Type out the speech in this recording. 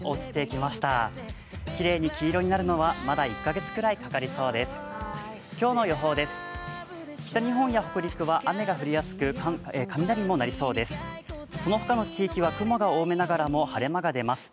きれいに黄色になるのは、まだ１か月くらいかかりそうです。